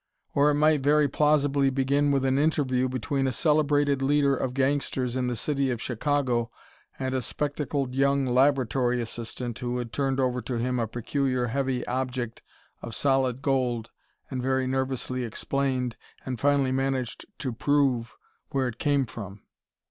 Or it might very plausibly begin with an interview between a celebrated leader of gangsters in the city of Chicago and a spectacled young laboratory assistant, who had turned over to him a peculiar heavy object of solid gold and very nervously explained, and finally managed to prove, where it came from.